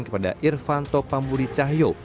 kepada irvanto pamburi cahyo